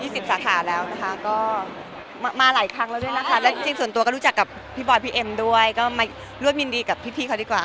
สีศาสตร์แล้วนะครัอกลับมาหลายครั้งแล้วนะคะแล้วจริงส่วนตัวก็รู้จักกับทีบ๊ายพีเอ็มด้วยก็ไม่รวดมินดีกับพี่เขาดีกว่าค่ะ